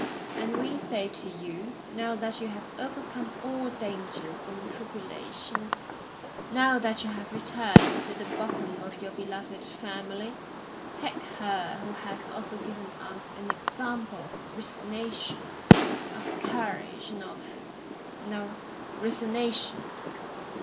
And we say to you, now that you have overcome all dangers and tribulation, now that you have returned to the bosom of your beloved family, take her who has also given us an example of resignation, of courage, and of and of resignation.